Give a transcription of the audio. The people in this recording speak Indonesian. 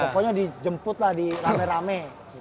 pokoknya dijemput lah di rame rame